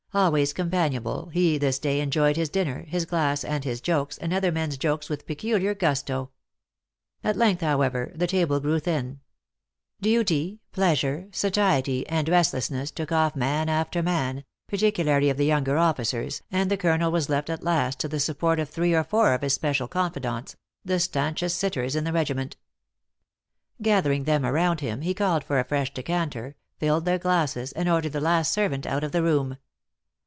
Always companionable, he this day enjoyed his dinner, his glass, and his jokes, and other men s jokes, with peculiar gusto. At length, however, the table grew thin. Duty, pleasure, satiety, and rest THE ACTRESS IN HIGH LIFE. 73 lessness, took off man after man, particularly of the younger officers, and the colonel was left at last to the support of three or four of his special confidants, the stanchest sitters in the regiment. Gathering them around him, he called for afresh de canter, filled their glasses, and ordered the last servant out of the room.